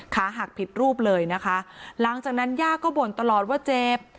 ขาหักผิดรูปเลยนะคะหลังจากนั้นย่าก็บ่นตลอดว่าเจ็บ